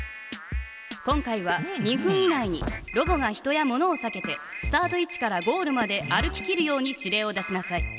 今回は２分以内にロボが人や物をさけてスタート位置からゴールまで歩ききるように指令を出しなさい。